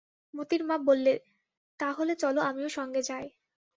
মোতির মা বললে, তা হলে চলো আমিও সঙ্গে যাই।